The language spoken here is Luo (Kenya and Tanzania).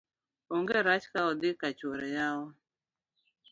ong'e rach ka odhi kachoure yawa